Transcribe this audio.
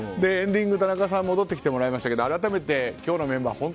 エンディングに田中さん戻ってきてもらいましたけど改めて、今日のメンバー